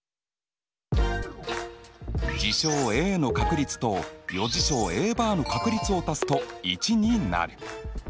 事象Ａの確率と余事象Ａバーの確率を足すと１になる。